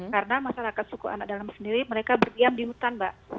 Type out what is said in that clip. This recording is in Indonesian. karena masyarakat suku anak dalam sendiri mereka berdiam di hutan mbak